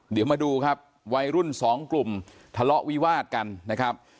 เดี๋ยวมาดูครับวัยรุ่นสองกลุ่มทะเลาะวิวาดกันนะครับ